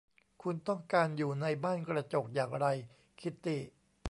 คุณต้องการอยู่ในบ้านกระจกอย่างไร คิตตี้